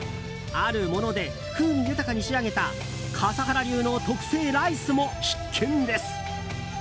あるもので風味豊かに仕上げた笠原流の特製ライスも必見です。